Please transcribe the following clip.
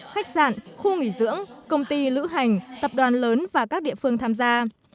khách sạn khu nghỉ dưỡng công ty lữ hành tập đoàn lớn và các địa phương tham gia